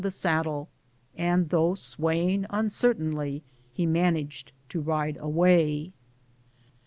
85 the saddle, and tlioiigh swaying uncertainly, he man aged to ride away.